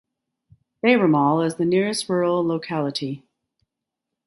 Bayramaul is the nearest rural locality.